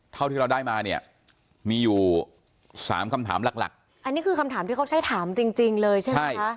เท่าที่เราได้มาเนี่ยมีอยู่สามคำถามหลักหลักอันนี้คือคำถามที่เขาใช้ถามจริงจริงเลยใช่ไหมคะ